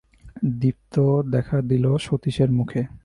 দীপ্তি দেখা দিল সতীশের মুখে।